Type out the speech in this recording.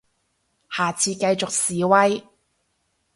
下次繼續示威